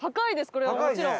これはもちろん。